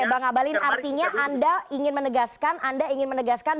oke bang abalin artinya anda ingin menegaskan